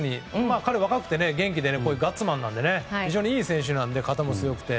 彼は若くて元気でガッツもあるので非常にいい選手なので肩も強くて。